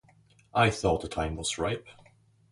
I thought the time was ripe.